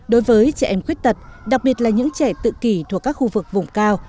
đối với trẻ em khuyết tật đặc biệt là những trẻ tự kỷ thuộc các khu vực vùng cao